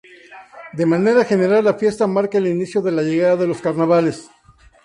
De manera general la fiesta marca el inicio de la llegada de los carnavales.